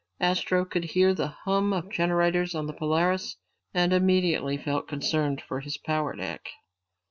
Astro could hear the hum of generators on the Polaris and immediately felt concern for his power deck.